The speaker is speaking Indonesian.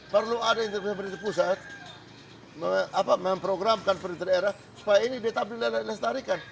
perlu ada intervensi pusat memprogramkan perintah daerah supaya ini tetap dilestarikan